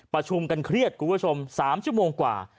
ประชุมกันเครียดคุณผู้ชม๓ชั่วโมงกว่า